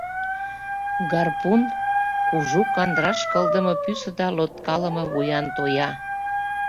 Гарпун — кужу кандраш кылдыме пӱсӧ да лоткалыме вуян тоя.